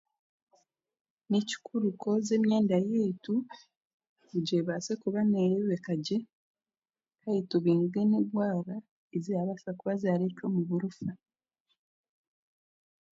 Ni kikuru kwoza emyenda yaitu kugira ebaase kuba n'ereebeka gye kandi tubinge n'engwara ezirabaasa kuba zirareetwa omu burofa.